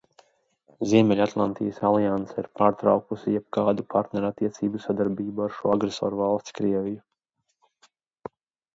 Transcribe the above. Ziemeļatlantijas alianse ir pārtraukusi jebkādu partnerattiecību sadarbību ar šo agresorvalsti Krieviju.